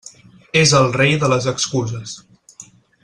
És el rei de les excuses.